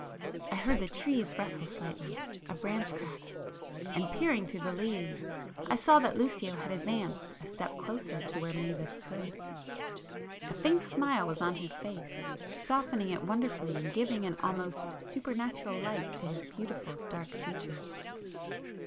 I heard the trees rustle slightly,—a branch cracked,—and peering through the leaves, I saw that Lucio had advanced a step closer to where Mavis stood. A faint smile was on his face, softening it wonderfully and giving an almost supernatural light to his beautiful dark features.